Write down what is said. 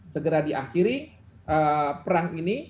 segera diakhiri perang ini